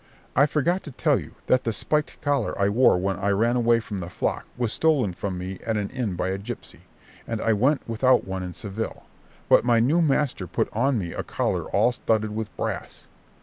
I forgot to tell you, that the spiked collar I wore when I ran away from the flock was stolen from me at an inn by a gipsy, and I went without one in Seville; but my new master put on me a collar all studded with brass.